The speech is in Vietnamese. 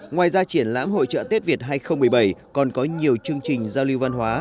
ngoài ra triển lãm hội trợ tết việt hai nghìn một mươi bảy còn có nhiều chương trình giao lưu văn hóa